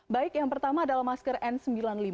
baik yang pertama adalah masker n sembilan puluh lima